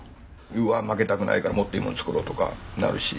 うわ負けたくないからもっといいもの作ろうとかなるし。